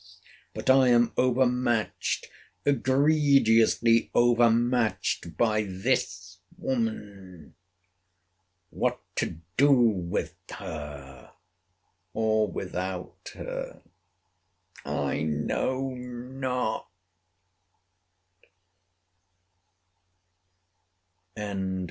But I am overmatched, egregiously overmatched, by this woman. What to do with her, or without her, I know not.